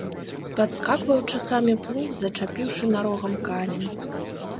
Падскакваў часамі плуг, зачапіўшы нарогам камень.